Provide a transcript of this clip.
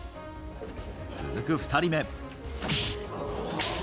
続く２人目。